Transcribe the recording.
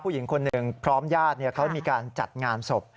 ผู้หญิงคนหนึ่งพร้อมญาติเขามีการจัดงานศพ